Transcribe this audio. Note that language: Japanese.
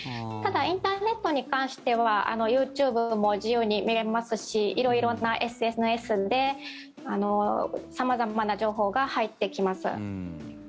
ただ、インターネットに関してはＹｏｕＴｕｂｅも自由に見れますし色々なＳＮＳで様々な情報が入ってきます。